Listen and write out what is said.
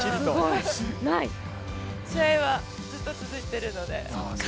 試合はずっと続いてるので。